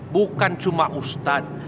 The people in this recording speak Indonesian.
bukan cuma ustadz